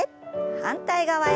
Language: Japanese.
反対側へ。